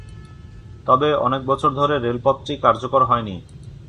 তবে অনেক বছর ধরে রেলপথটি কার্যকরী হয়নি।